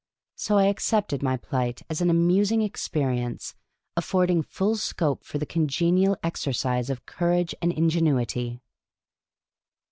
So I accepted my plight as an amusing experience, affording full scope for the congenial exercise of courage and ingenuity.